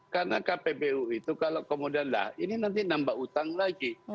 karena kpbu itu kalau kemudian lah ini nanti nambah utang lagi